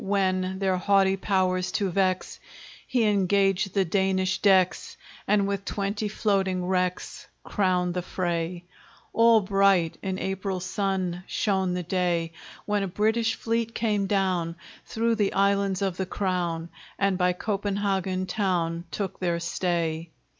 When, their haughty powers to vex, He engaged the Danish decks, And with twenty floating wrecks Crowned the fray! All bright, in April's sun, Shone the day! When a British fleet came down Through the islands of the crown, And by Copenhagen town Took their stay.